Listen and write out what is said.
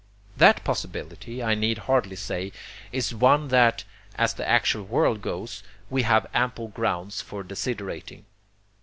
That possibility, I need hardly say, is one that, as the actual world goes, we have ample grounds for desiderating.